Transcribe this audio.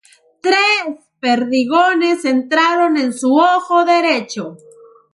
Tres perdigones entraron en su ojo derecho.